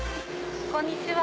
こんにちは。